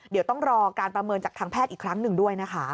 เดี๋ยวต้องรอการประเมินจากทางแพทย์อีกครั้งหนึ่งด้วยนะคะ